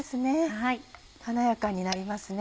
華やかになりますね。